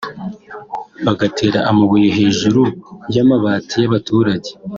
bagatera amabuye hejuru y’amabati y’abaturage